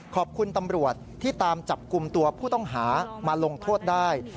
ขอบคุณตำรวจที่ตามจับกลุ่มตัวผู้ต้องหามาลงโทษได้